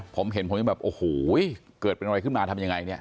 ผมเห็นผมยังแบบโอ้โหเกิดเป็นอะไรขึ้นมาทำยังไงเนี่ย